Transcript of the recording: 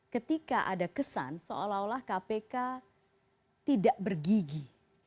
ketika ada kesan seolah olah kpk tidak bergigi